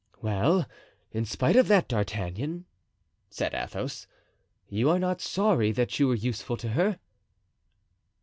"Well, in spite of that, D'Artagnan," said Athos, "you are not sorry that you were useful to her?"